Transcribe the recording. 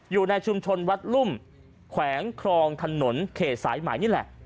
อยู่ในชุมชนวัดลุ่มแขวงครองถนนเขตสายใหม่นี่แหละ